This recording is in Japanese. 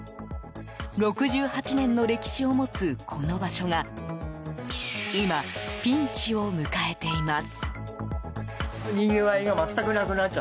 ６８年の歴史を持つこの場所が今、ピンチを迎えています。